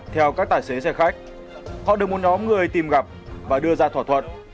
theo các tài xế xe khách họ được một nhóm người tìm gặp và đưa ra thỏa thuận